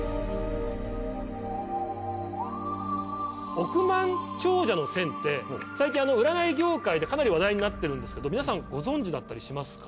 億万長者の線って最近占い業界でかなり話題になってるんですけど皆さんご存じだったりしますか？